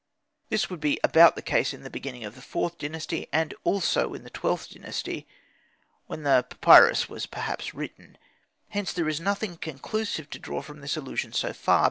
This would be about the case both in the beginning of the IVth Dynasty, and also in the XIIth Dynasty, when the papyrus was perhaps written: hence there is nothing conclusive to be drawn from this allusion so far.